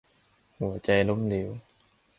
- หัวใจล้มเหลว